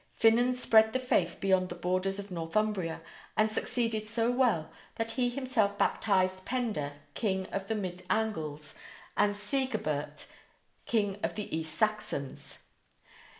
Finan spread the faith beyond the borders of Northumbria and succeeded so well that he himself baptized Penda, king of the Mid Angles, and Sigebert, king of the East Saxons.